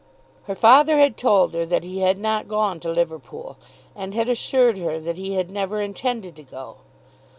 Her father had told her that he had not gone to Liverpool and had assured her that he had never intended to go.